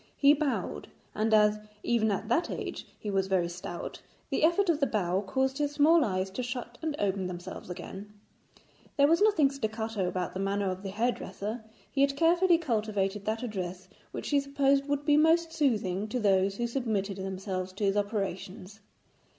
He bowed, and as even at that age he was very stout, the effort of the bow caused his small eyes to shut and open themselves again. There was nothing staccato about the manner of the hairdresser, he had carefully cultivated that address which he supposed would be most soothing to those who submitted themselves to his operations.